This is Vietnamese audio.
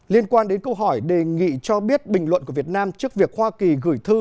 liên quan đến câu hỏi đề nghị cho biết bình luận của việt nam trước việc hoa kỳ gửi thư